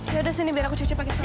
yaudah sini biar aku cuci pakai sini